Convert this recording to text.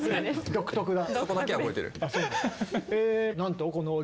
独特だ。